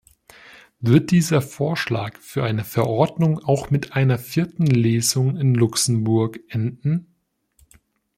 Wird dieser Vorschlag für eine Verordnung auch mit einer vierten Lesung in Luxemburg enden?